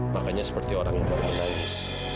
makanya seperti orang membuatnya nangis